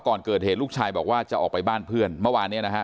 ก่อนเกิดเหตุลูกชายบอกว่าจะออกไปบ้านเพื่อนเมื่อวานเนี่ยนะฮะ